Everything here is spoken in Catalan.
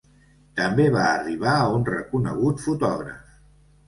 També va arribar a un reconegut fotògraf.